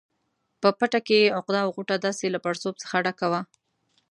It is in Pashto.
په پټه کې یې عقده او غوټه داسې له پړسوب څخه ډکه وه.